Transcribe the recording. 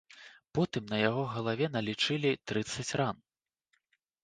Потым на яго галаве налічылі трыццаць ран.